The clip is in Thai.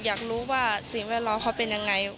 อยากรู้ว่าสิ่งแวดล้อมเขาเป็นยังไง